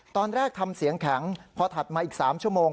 ตอนแรกทำเสียงแข็งพอถัดมาอีก๓ชั่วโมง